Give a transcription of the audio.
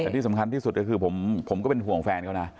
แต่ที่สำคัญที่สุดก็คือผมก็เป็นห่วงแฟนเขานะ